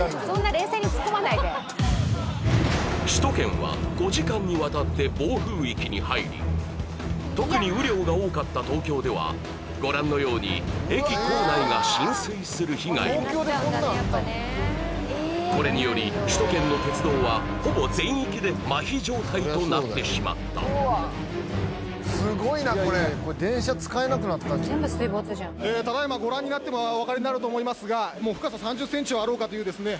冷静にツッコまないで首都圏は５時間にわたって暴風域に入り特に雨量が多かった東京ではご覧のように駅構内が浸水する被害もこれにより首都圏の鉄道はほぼ全域でマヒ状態となってしまったすごいなこれこれ電車使えなくなったんじゃええただいまご覧になってお分かりになると思いますがもう深さ３０ｃｍはあろうかというですね